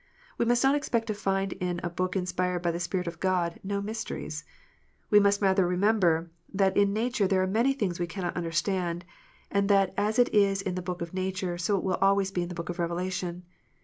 We must not expect to find, in a book inspired by the Spirit of God, no mysteries. We must rather remember that in nature there are many things we cannot understand ; and that as it is in the book of nature, so it will always be in the book of Revelation.